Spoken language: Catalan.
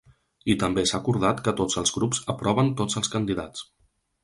I també s’ha acordat que tots els grups aproven tots els candidats.